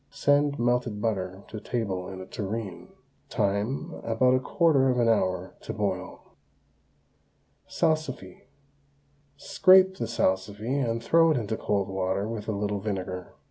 Send melted butter to table in a tureen. Time, about a quarter of an hour to boil. SALSIFY. Scrape the salsify and throw it into cold water with a little vinegar.